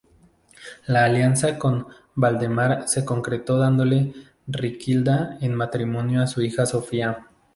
La alianza con Valdemar se concretó dándole Riquilda en matrimonio a su hija Sofía.